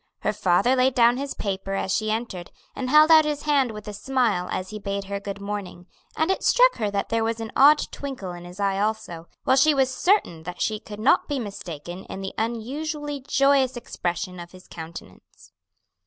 Her father laid down his paper as she entered, and held out his hand with a smile as he bade her good morning, and it struck her that there was an odd twinkle in his eye also, while she was certain that she could not be mistaken in the unusually joyous expression of his countenance.